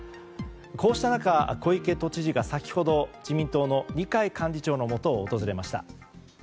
こうした中、小池都知事が先ほど自民党の二階幹事長のもとを訪れました。